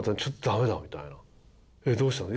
「えっ？どうしたの？」